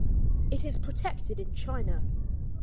It is protected in China.